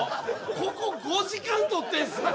ここ５時間撮ってんすよ